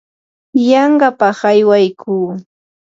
yanqapaq aywaykuu.